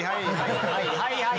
はいはい。